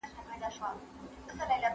طالبانو تاريخي اثار مات کړل.